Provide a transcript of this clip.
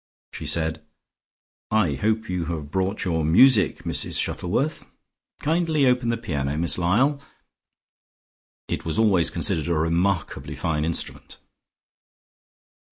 She said: 'I hope you have brought your music, Mrs Shuttleworth. Kindly open the piano, Miss Lyall. It was always considered a remarkably fine instrument.'"